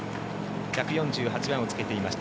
１４８番をつけていました